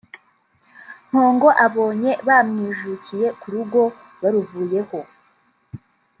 Mpongo abonye bamwijukiye ku rugo (baruvuyeho)